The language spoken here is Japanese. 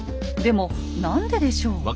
でも何ででしょう？